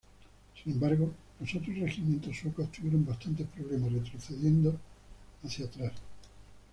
Sin embargo, los otros regimientos suecos tuvieron bastantes problemas, retrocediendo hacia atrás.